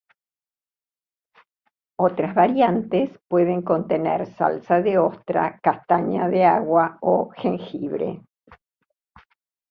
Otras variantes pueden contener salsa de ostra, castaña de agua o jengibre.